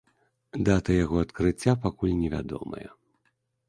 Дата яго адкрыцця пакуль невядомая.